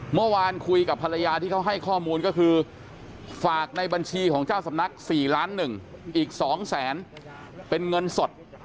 เมื่อวานคุยกับภรรยาที่เขาให้ข้อมูลก็คือฝากในบัญชีของเจ้าสำนัก๔ล้าน๑อีก๒แสนเป็นเงินสด